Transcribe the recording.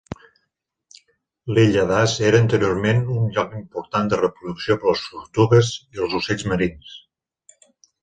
L'illa Das era anteriorment un lloc important de reproducció per a les tortugues i els ocells marins.